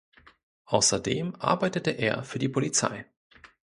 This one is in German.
Außerdem arbeitete er für die Polizei.